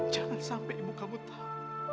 jangan sampai ibu kamu tahu